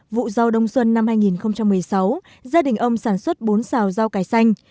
vụ rau đông xuân năm hai nghìn một mươi sáu gia đình ông sản xuất bốn xào rau cải xanh